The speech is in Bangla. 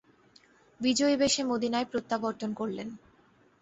বিজয়ী বেশে মদিনায় প্রত্যাবর্তন করলেন।